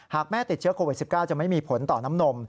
หากแม่ติดเชื้อโควิด๑๙จะไม่มีผลต่อน้ำนม